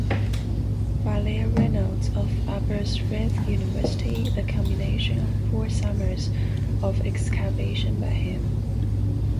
Baillie Reynolds, of Aberystwyth University, the culmination of four summers of excavation by him.